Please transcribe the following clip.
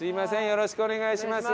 よろしくお願いします。